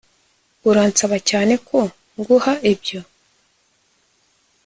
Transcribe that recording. Uransaba cyane ko nguha ibyo